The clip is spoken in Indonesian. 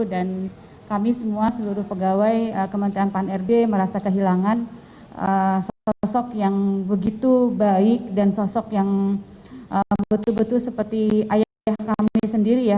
dan kami semua seluruh pegawai kementerian pan rb merasa kehilangan sosok yang begitu baik dan sosok yang betul betul seperti ayah kami sendiri ya